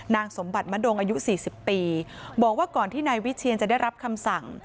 สมบัติมะดงอายุ๔๐ปีบอกว่าก่อนที่นายวิเชียนจะได้รับคำสั่ง